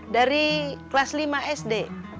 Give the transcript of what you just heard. dari kelas lima sd